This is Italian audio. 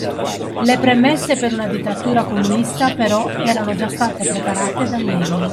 Le premesse per una dittatura comunista però erano già state preparate da Lenin